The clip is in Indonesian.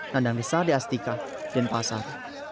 nandang di sade astika denpasar